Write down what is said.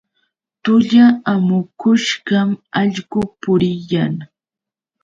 Tulla amukushqam allqu puriyan.